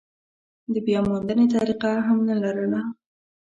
د بیاموندنې طریقه هم نه لرله.